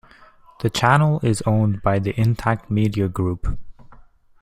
The channel is owned by the Intact Media Group.